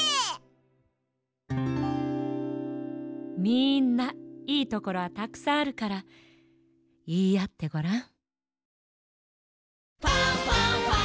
みんないいところはたくさんあるからいいあってごらん。